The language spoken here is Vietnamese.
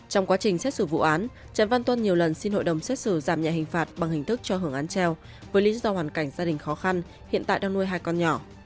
trong quá trình xét xử vụ án trần văn tuân nhiều lần xin hội đồng xét xử giảm nhẹ hình phạt bằng hình thức cho hưởng án treo với lý do hoàn cảnh gia đình khó khăn hiện tại đang nuôi hai con nhỏ